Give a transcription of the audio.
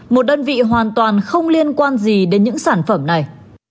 một đơn vị hoàn toàn không liên quan gì đến những sản phẩm này